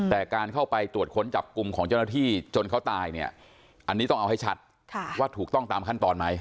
แต่การเข้าไปตรวจค้นจับกลุ่มของเจ้าหน้าที่จนเขาตายเนี่ยอันนี้ต้องเอาให้ชัดว่าถูกต้องตามขั้นตอนไหม